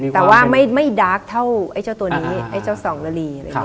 แต่ว่าไม่ดาร์กเท่าไอ้เจ้าตัวนี้ไอ้เจ้าส่องละลี